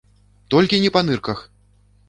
Толькі не па нырках!